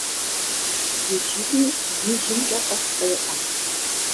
Иджыри ижьымкӏэ тӏэкӏу къеӏэ.